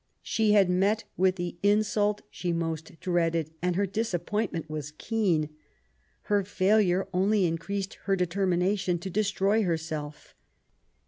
She had met with the insult she most dreaded, and her disappointment was keen* Her failure only increased her determination to destroy herself.